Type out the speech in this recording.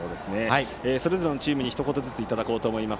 それぞれのチームにひと言ずついただこうと思います。